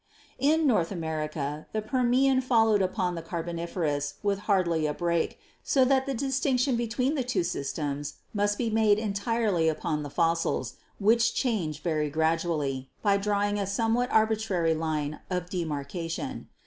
In North America the Permian followed upon the Car boniferous with hardly a break, so that the distinction be tween the two systems must be made entirely upon the fossils, which change very gradually, by drawing a some what arbitrary line of demarcation.